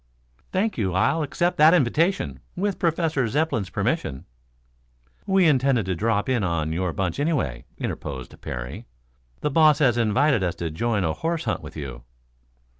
"Thank you; I'll accept that invitation, with Professor Zepplin's permission." "We intended to drop in on your bunch, anyway," interposed Parry. "The boss has invited us to join a horse hunt with you."